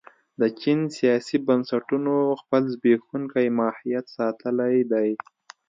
د چین سیاسي بنسټونو خپل زبېښونکی ماهیت ساتلی دی.